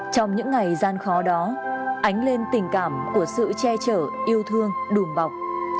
trong những ngày gian khó đó ánh lên tình cảm của sự che chở yêu thương đùm bọc